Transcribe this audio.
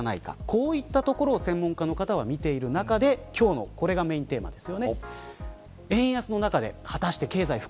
こういったところを専門家の方が見ている中で今日のこれがメーンテーマです。